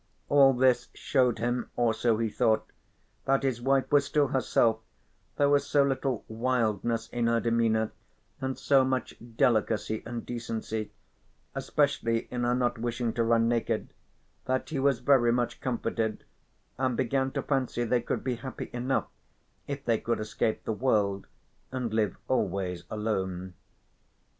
All this showed him, or so he thought, that his wife was still herself; there was so little wildness in her demeanour and so much delicacy and decency, especially in her not wishing to run naked, that he was very much comforted, and began to fancy they could be happy enough if they could escape the world and live always alone.